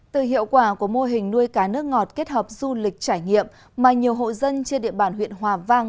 từ hiệu quả của mô hình nuôi cá nước ngọt kết hợp du lịch trải nghiệm mà nhiều hộ dân trên địa bàn huyện hòa vang